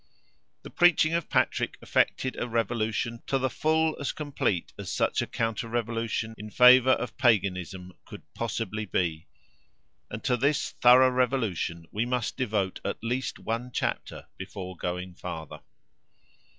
The preaching of Patrick effected a revolution to the full as complete as such a counter revolution in favour of Paganism could possibly be, and to this thorough revolution we must devote at least one chapter before going farther.